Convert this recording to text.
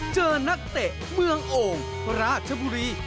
เจอนักเตะเมืององค์พระราชบุรี